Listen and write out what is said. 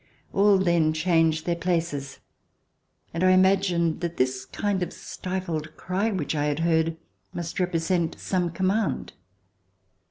All then changed their places, and I imagined that this kind of stifled cry which I had heard must represent some command.